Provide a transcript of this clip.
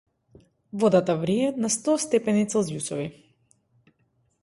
Водата врие на сто степени целзиусови.